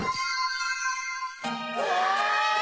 うわ！